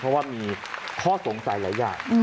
เพราะว่ามีข้อสงสัยหลายอย่าง